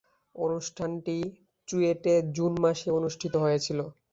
অনুষ্ঠানটি চুয়েটে জুন মাসে অনুষ্ঠিত হয়েছিলো।